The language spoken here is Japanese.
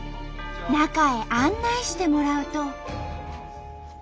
中へ案内してもらうと。